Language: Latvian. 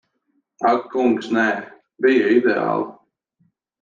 Ak kungs, nē. Bija ideāli.